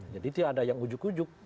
jadi itu ada yang ujug ujug